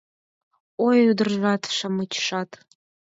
Ой, ӱдыржат-шамычшат